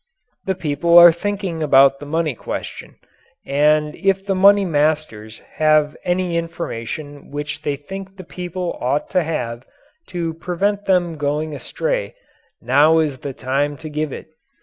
The people are thinking about the money question; and if the money masters have any information which they think the people ought to have to prevent them going astray, now is the time to give it.